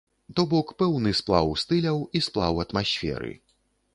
То бок пэўны сплаў стыляў і сплаў атмасферы.